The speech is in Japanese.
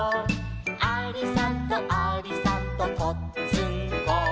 「ありさんとありさんとこっつんこ」